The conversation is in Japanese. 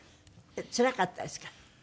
つらかったですか？